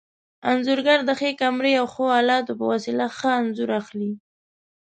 انځورګر د ښې کمرې او ښو الاتو په وسیله ښه انځور اخلي.